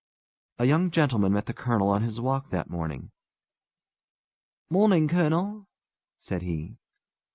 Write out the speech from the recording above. A young gentleman met the colonel on his walk that morning. "Morning, colonel!" said he.